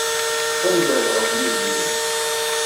Tanemmirt ɣef yizen-nnem.